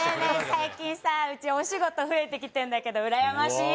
最近さうちお仕事増えてきてんだけどうらやましい？